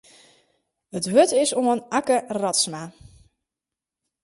It wurd is oan Akke Radsma.